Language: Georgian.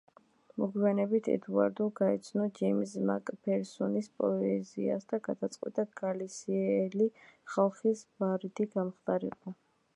მოგვიანებით ედუარდო გაეცნო ჯეიმზ მაკფერსონის პოეზიას და გადაწყვიტა გალისიელი ხალხის ბარდი გამხდარიყო.